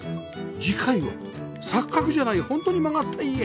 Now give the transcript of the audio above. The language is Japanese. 次回は錯覚じゃないホントに曲がった家